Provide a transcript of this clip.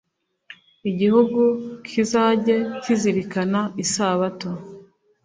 igihugu kizajye kiziririza isabato